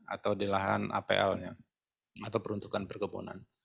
atau di lahan apl nya atau peruntukan perkebunan